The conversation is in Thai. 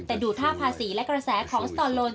แต่ดูท่าภาษีและกระแสของสตอโลน